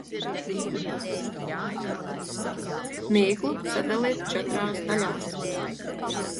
Mīklu sadaliet četrās daļās.